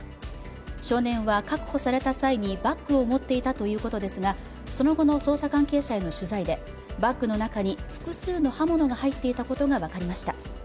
少年は確保された際にバッグを持っていたということですが、その後の捜査関係者への取材でバッグの中に、複数の刃物が入っていたことが分かりました。